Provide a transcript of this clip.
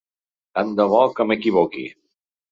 Tant de bo que m’equivoqui.